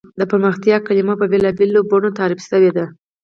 د پرمختیا کلیمه په بېلا بېلو بڼو تعریف شوې ده.